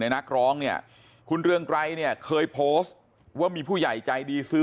นักร้องเนี่ยคุณเรืองไกรเนี่ยเคยโพสต์ว่ามีผู้ใหญ่ใจดีซื้อ